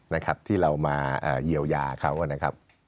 นะครับที่เรามาเยียวยาเขานะครับ